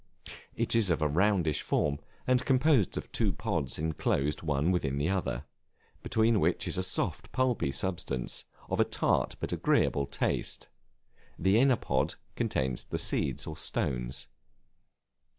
It is of a roundish form, and composed of two pods inclosed one within the other, between which is a soft pulpy substance, of a tart but agreeable taste; the inner pod contains the seeds or stones.